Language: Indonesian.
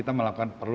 karena kita perlu